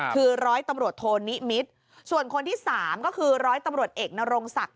คือร้อยตำรวจโทนิมิตรส่วนคนที่สามก็คือร้อยตำรวจเอกนรงศักดิ